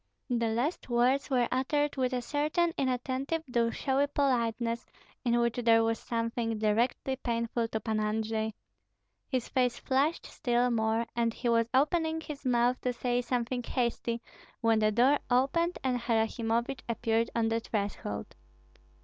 The last words were uttered with a certain inattentive though showy politeness, in which there was something directly painful to Pan Andrei. His face flushed still more, and he was opening his mouth to say something hasty, when the door opened and Harasimovich appeared on the threshold.